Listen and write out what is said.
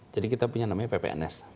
jadi kita punya namanya ppns